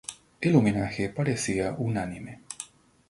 El homenaje parecía unánime.